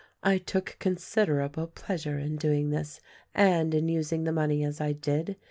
I took consider able pleasure in doing this and in using the money as I did.